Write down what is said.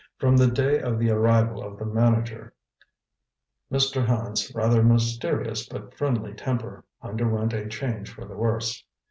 From the day of the arrival of the manager, Mr. Hand's rather mysterious but friendly temper underwent a change for the worse.